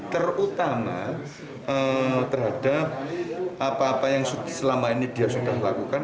terutama terhadap apa apa yang selama ini dia sudah lakukan